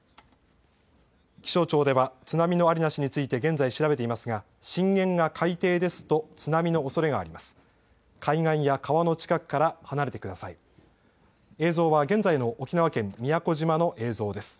気象庁では津波のありなしについて現在、調べていますが震源が海底ですと津波のおそれがあります。